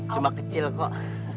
cuma kecil kok